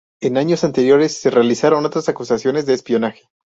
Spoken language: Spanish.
En años anteriores se realizaron otras acusaciones de espionaje.